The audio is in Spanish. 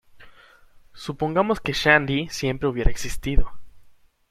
Supongamos que Shandy siempre hubiera existido.